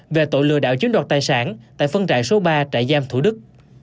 về tội lừa đạo chiến đoạt tài sản tại phân trại số ba trại giam thủ đức